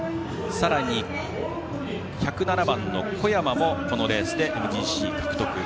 さらに１０７番の小山もこのレースで、ＭＧＣ獲得。